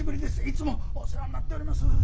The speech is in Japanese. いつもお世話になっております。